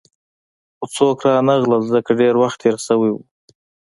خو څوک رانغلل، ځکه ډېر وخت تېر شوی وو.